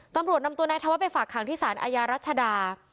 ตำรวจนำตัวนายธวัฒไปฝากขังที่สารอาญารัชดา